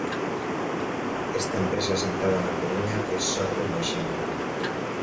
Esta empresa asentada na Coruña é só un exemplo.